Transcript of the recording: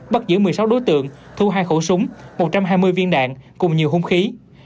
bắt giữ một mươi sáu đối tượng thu hai khẩu súng một trăm hai mươi viên đạn cùng nhiều hung khí